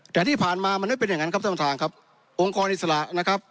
แต่ที่ผ่านมามันไม่เป็นอย่างนั้นครับท่านประธานครับองค์กรอิสระนะครับ